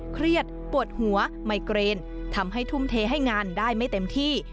เครียดปวดหัวไมเกรนทำให้ทุ่มเทให้งานได้ไม่เต็มที่